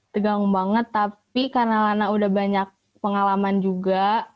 tegang banget tapi karena lana udah banyak pengalaman juga